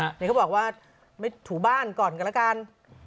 เดี๋ยวเขาบอกว่าไม่ถูบ้านก่อนกันแล้วกัน